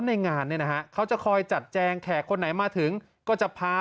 ในงานเนี่ยนะฮะเขาจะคอยจัดแจงแขกคนไหนมาถึงก็จะพา